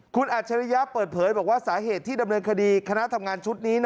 คุณอัจฉริยะเปิดเผยบอกว่าสาเหตุที่ดำเนินคดีคณะทำงานชุดนี้